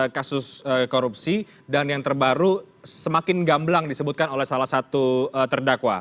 kasus korupsi dan yang terbaru semakin gamblang disebutkan oleh salah satu terdakwa